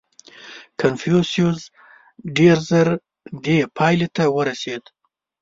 • کنفوسیوس ډېر ژر دې پایلې ته ورسېد.